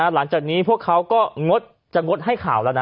หลังจากนี้พวกเขาก็งดจะงดให้ข่าวแล้วนะ